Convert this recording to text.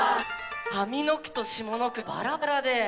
上の句と下の句がバラバラで。